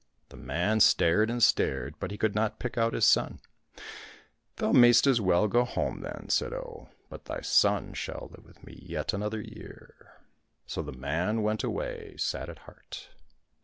The man stared and stared, but he could not pick out his son. " Thou mayst as well go home then," said Oh, " but thy son shall live with me yet another year." So the man went away, sad at heart.